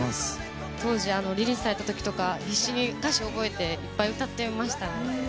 当時リリースされた時とか必死に歌詞を覚えていっぱい歌ってましたね。